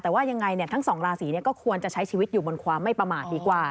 แต่ว่ายังไงทั้งสองราศีก็ควรจะใช้ชีวิตอยู่บนความไม่ประมาทดีกว่า